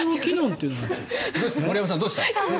森山さんどうした？